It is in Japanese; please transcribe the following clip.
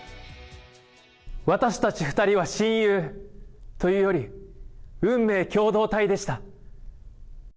私たち２人は親友、というより、運命共同体でした。